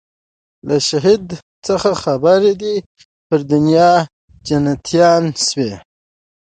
له شهیده څه خبر دي پر دنیا جنتیان سوي